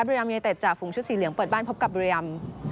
บริยามยตส์จ่าฝงชุดสีเหลืองเปิดบ้านพบกับบริยาม